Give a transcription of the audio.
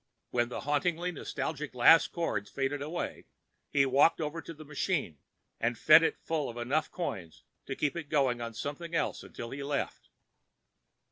_ When the hauntingly nostalgic last chorus faded away, he walked over to the machine and fed it full of enough coins to keep it going on something else until he left.